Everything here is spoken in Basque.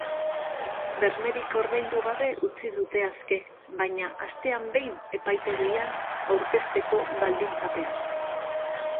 Bermerik ordaindu gabe utzi dute aske, baina astean behin epaitegian aurkezteko baldintzapean.